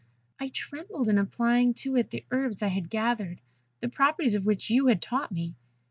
I trembled in applying to it the herbs I had gathered, the properties of which you had taught me.